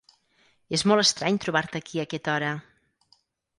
És molt estrany trobar-te aquí a aquesta hora.